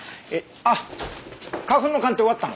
あっ花粉の鑑定終わったの？